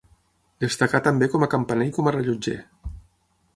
Destacà també com a campaner i com a rellotger.